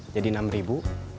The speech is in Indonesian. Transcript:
jadi enam ribu